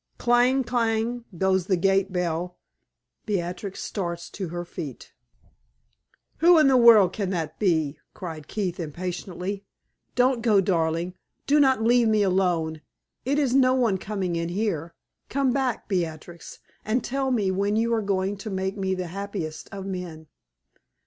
Clang! clang! goes the gate bell. Beatrix starts to her feet. "Who in the world can that be?" cried Keith, impatiently. "Don't go, darling do not leave me alone. It is no one coming in here. Come back, Beatrix, and tell me when you are going to make me the happiest of men?"